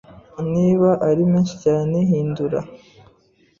Niba ari menshi cyane hindura